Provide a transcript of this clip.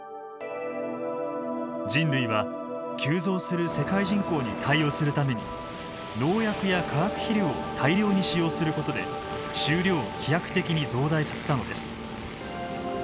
人類は急増する世界人口に対応するために農薬や化学肥料を大量に使用することで収量を飛躍的に増大させたのです。